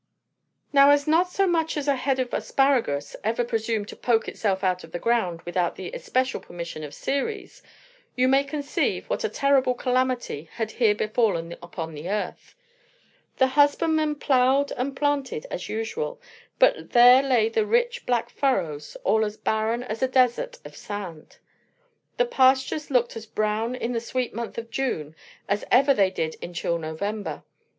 Now, as not so much as a head of asparagus ever presumed to poke itself out of the ground without the especial permission of Ceres, you may conceive what a terrible calamity had here fallen upon the earth. The husbandmen ploughed and planted as usual; but there lay the rich black furrows, all as barren as a desert of sand. The pastures looked as brown in the sweet month of June as ever they did in chill November.